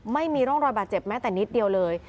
ไม่มีร่องรอยบาดเจ็บแม้แต่นิดเดียวเลย